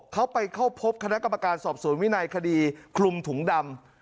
เขาไปเข้าพบคณะกรรมการสอบสวนวินัยคดีคลุมถุงดำ